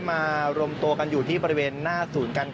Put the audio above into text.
มาดูบรรจากาศมาดูความเคลื่อนไหวที่บริเวณหน้าสูตรการค้า